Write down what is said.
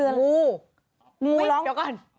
เอ้ยเดี๋ยวก่อน